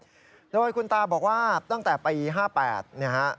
แล้วคุณตาบอกว่าตั้งแต่ปี๕๘